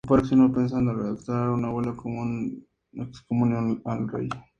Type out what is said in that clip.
El papa reaccionó pensando en redactar una bula de excomunión al rey.